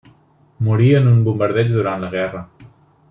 Morí en un bombardeig durant la guerra.